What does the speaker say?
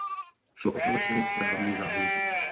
Šlo o falešné právní záminky.